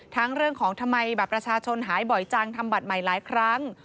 เรื่องของทำไมบัตรประชาชนหายบ่อยจังทำบัตรใหม่หลายครั้ง